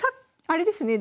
あれですね